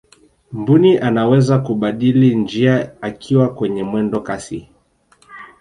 mbuni anaweza kubadili njia akiwa kwenye mwendo kasi